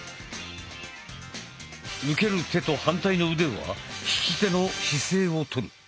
受ける手と反対の腕は引き手の姿勢をとる。